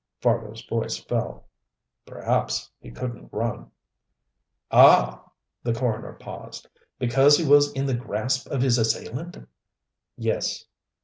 Fargo's voice fell. "Perhaps he couldn't run." "Ah!" The coroner paused. "Because he was in the grasp of his assailant?" "Yes."